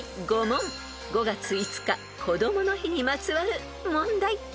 ［５月５日こどもの日にまつわる問題］